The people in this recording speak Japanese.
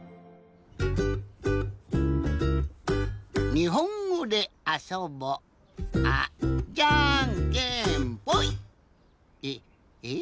「にほんごであそぼ」あっじゃんけんぽい！えっ？